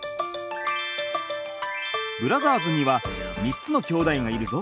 ブラザーズには３つのきょうだいがいるぞ。